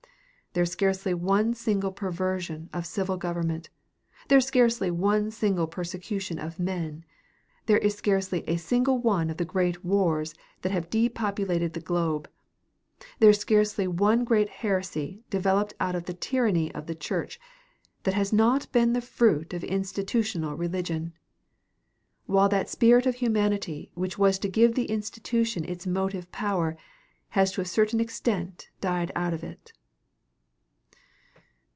There is scarcely one single perversion of civil government, there is scarcely one single persecution of men, there is scarcely a single one of the great wars that have depopulated the globe, there is scarcely one great heresy developed out of the tyranny of the church, that has not been the fruit of institutional religion; while that spirit of humanity which was to give the institution its motive power has to a certain extent died out of it.